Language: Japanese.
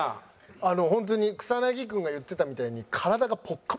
あのホントに草薙君が言ってたみたいに。